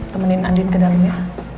temenin andin ke dalamnya